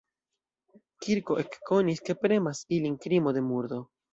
Kirko ekkonis, ke premas ilin krimo de murdo.